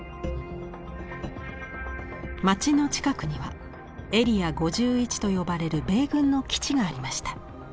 町の近くにはエリア５１と呼ばれる米軍の基地がありました。